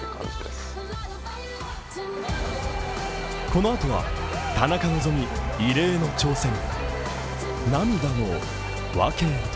このあとは田中希実、異例の挑戦。